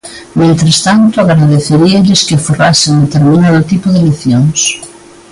Mentres tanto, agradeceríalles que aforrasen determinado tipo de leccións.